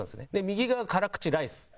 右が辛口ライス。